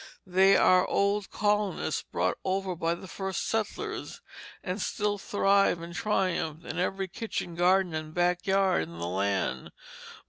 They are old colonists, brought over by the first settlers, and still thrive and triumph in every kitchen garden and back yard in the land.